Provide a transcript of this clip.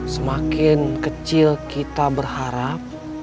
semakin kecil kita berharap